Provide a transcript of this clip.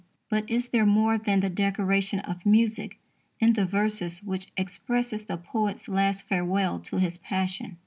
But is there more than the decoration of music in the verses which express the poet's last farewell to his passion?